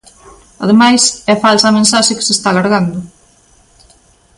Ademais, é falsa a mensaxe que se está largando.